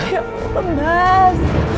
ya ampun mas